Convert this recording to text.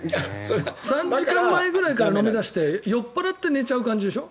３時間前ぐらいから飲み出して酔っぱらって寝ている感じでしょ？